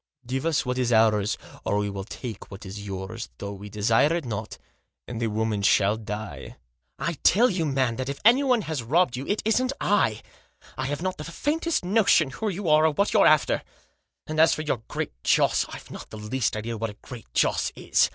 Give us what is ours, or we will take what is yours, though we desire it not, and the woman shall die." " I tell you, man, that if anyone has robbed you it isn't I. I have not the faintest notion who you are, or what you're after ; and as for your Great Joss, I've not the least idea what a Great Joss is.